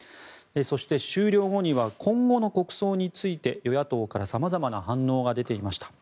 そして、終了後には今後の国葬について与野党から様々な反応が出ていました。